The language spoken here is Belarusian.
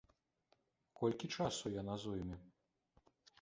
Колькі часу яна зойме?